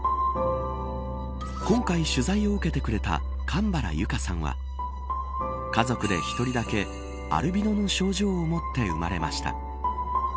今回、取材を受けてくれた神原由佳さんは家族で１人だけアルビノの症状を持って生まれました。